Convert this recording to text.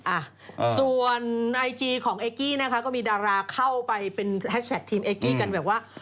อ่ะส่วนไอจีของเอกกี้นะคะก็มีดาราเข้าไปเป็นแฮชแท็กทีมเอกกี้กันแบบว่า